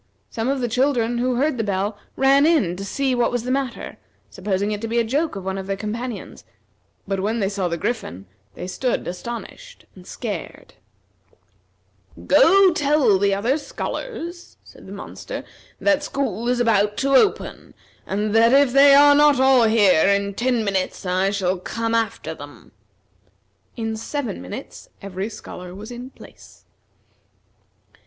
Some of the children who heard the bell ran in to see what was the matter, supposing it to be a joke of one of their companions; but when they saw the Griffin they stood astonished, and scared. "Go tell the other scholars," said the monster, "that school is about to open, and that if they are not all here in ten minutes, I shall come after them." In seven minutes every scholar was in place.